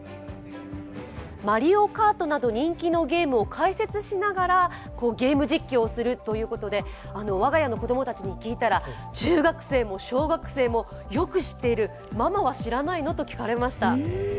マリオカートなど人気のゲームを解説しながらゲーム実況するということで我が家の子供たちに聞いたら中学生も小学生もよく知っている、ママは知らないの？と聞かれました。